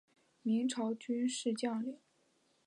明朝军事将领。